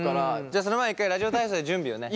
じゃあその前に一回ラジオ体操で準備をね。